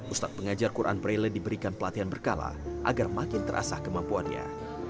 ustadz pengajar quran braille diberikan pelatihan berkala agar makin terasa kemampuannya